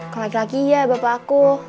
kalau laki laki ya bapak aku